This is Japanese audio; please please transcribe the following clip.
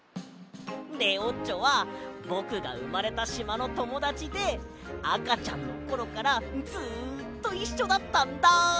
レオッチョはぼくがうまれたしまのともだちであかちゃんのころからずっといっしょだったんだ！